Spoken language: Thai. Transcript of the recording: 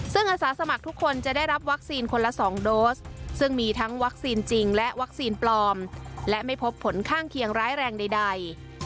ซึ่งอาสาสมัครทุกคนจะได้รับวัคซีนคนละ๒โดสซึ่งมีทั้งวัคซีนจริงและวัคซีนปลอมและไม่พบผลข้างเคียงร้ายแรงใด